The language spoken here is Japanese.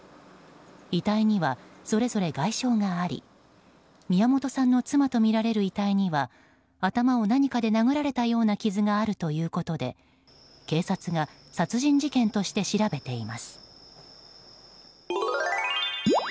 遺体には、それぞれ外傷があり宮本さんの妻とみられる遺体には頭を何かで殴られたような傷があるということで警察が、殺人事件として調べています。